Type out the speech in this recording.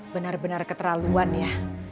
bener bener keterlaluan ya